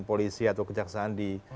polisi atau kejaksaan di